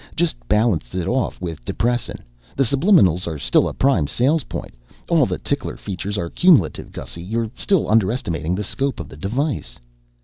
Just balanced it off with depressin. The subliminals are still a prime sales point. All the tickler features are cumulative, Gussy. You're still underestimating the scope of the device."